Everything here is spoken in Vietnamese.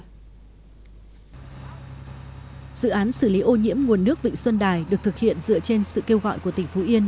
dự án xử lý ô nhiễm nguồn nước vịnh xuân đài được thực hiện dựa trên sự kêu gọi của tỉnh phú yên